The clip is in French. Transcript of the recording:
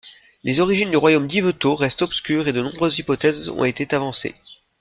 Les origines du royaume d'Yvetot restent obscures et de nombreuses hypothèses ont été avancées.